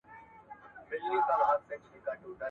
څېړونکی نسي کولای له ماخذونو پرته مقاله ولیکي.